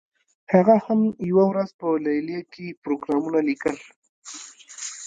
هغه هم یوه ورځ په لیلیه کې پروګرامونه لیکل